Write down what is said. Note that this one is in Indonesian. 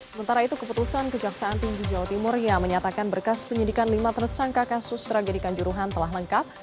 sementara itu keputusan kejaksaan tinggi jawa timur yang menyatakan berkas penyidikan lima tersangka kasus tragedikan juruhan telah lengkap